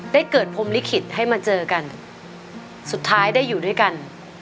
ได้เกิดพรมลิขิตให้มาเจอกันสุดท้ายได้อยู่ด้วยกัน